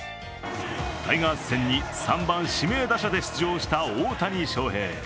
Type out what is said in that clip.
タイガース戦に３番・指名打者で出場した大谷翔平。